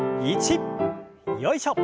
よいしょ。